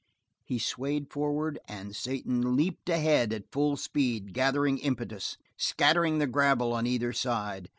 He swayed forward, and Satan leaped ahead at full speed, gathering impetus, scattering the gravel on either side.